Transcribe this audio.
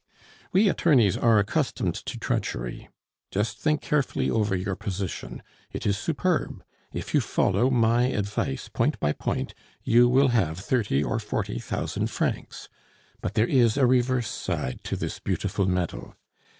"We attorneys are accustomed to treachery. Just think carefully over your position; it is superb. If you follow my advice point by point, you will have thirty or forty thousand francs. But there is a reverse side to this beautiful medal.